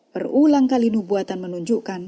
berulang kali nubuatan menunjukkan